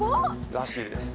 らしいです。